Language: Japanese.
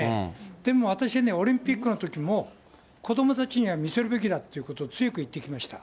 でも私はね、オリンピックのときも子どもたちには見せるべきだっていうことを、強く言ってきました。